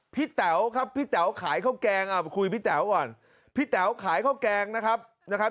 พี่แต๋วครับพี่แต๋วขายข้าวแกงคุยพี่แต๋วก่อนพี่แต๋วขายข้าวแกงนะครับ